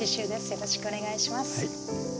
よろしくお願いします。